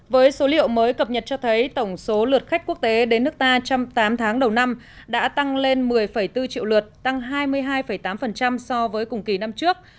với số liệu mới cập nhật cho thấy tổng số lượt khách quốc tế đến nước ta trong tám tháng đầu năm đã tăng lên một mươi bốn triệu lượt tăng hai mươi hai tám so với cùng kỳ năm trước